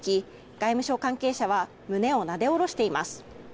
外務省関係者は胸をなで下ろしています。